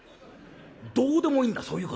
どうでもいいんだそういうことは。